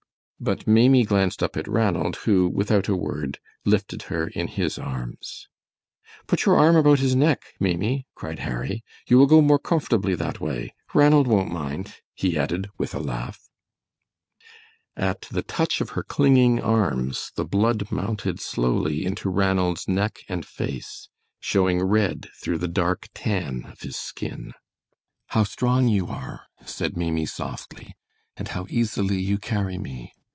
But Maimie glanced up at Ranald, who without a word, lifted her in his arms. "Put your arm about his neck, Maimie," cried Harry, "you will go more comfortably that way. Ranald won't mind," he added, with a laugh. At the touch of her clinging arms the blood mounted slowly into Ranald's neck and face, showing red through the dark tan of his skin. "How strong you are," said Maimie, softly, "and how easily you carry me.